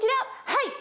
はい！